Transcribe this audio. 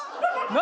何？